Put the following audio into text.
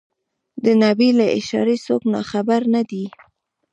د نبي له اشارې څوک ناخبر نه دي.